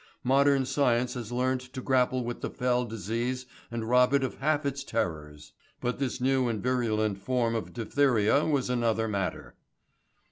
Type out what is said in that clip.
Modern science has learnt to grapple with the fell disease and rob it of half its terrors. But this new and virulent form of diphtheria was another matter.